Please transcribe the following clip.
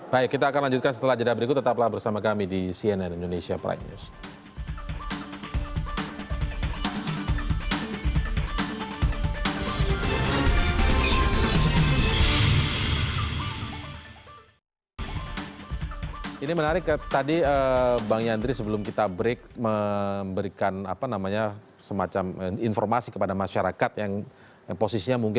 baik kita akan lanjutkan setelah jeda berikut tetaplah bersama kami di cnn indonesia prime news